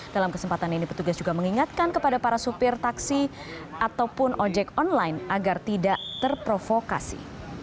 dalam kesempatan ini petugas juga mengingatkan kepada para supir taksi ataupun ojek online agar tidak terprovokasi